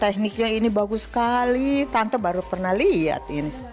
tekniknya ini bagus sekali tante baru pernah lihat ini